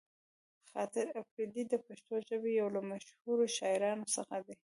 خاطر اپريدی د پښتو ژبې يو له مشهورو شاعرانو څخه دې.